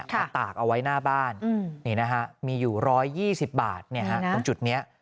ตากเอาไว้หน้าบ้านนี่นะฮะมีอยู่๑๒๐บาทตรงจุดนี้